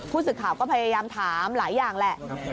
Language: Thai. สื่อข่าวก็พยายามถามหลายอย่างแหละ